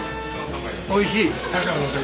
おいしい。